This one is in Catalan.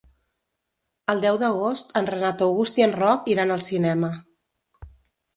El deu d'agost en Renat August i en Roc iran al cinema.